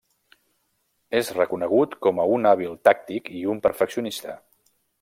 És reconegut com a un hàbil tàctic i un perfeccionista.